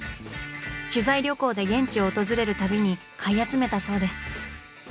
取材旅行で現地を訪れるたびに買い集めたそうです。